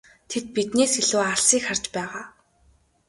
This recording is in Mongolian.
Тэд биднээс илүү алсыг харж байгаа.